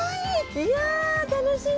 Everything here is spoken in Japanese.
いや楽しみ。